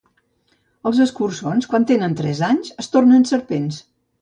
Els escurçons, quan tenen tres anys, es tornen serpents.